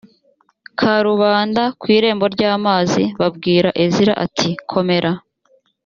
karubanda ku irembo ry amazi babwira ezira ati komera